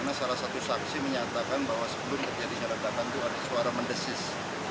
karena salah satu saksi menyatakan bahwa sebelum terjadinya ledakan itu ada suara mendesis